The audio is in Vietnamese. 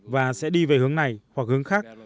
và sẽ đi về hướng này hoặc hướng khác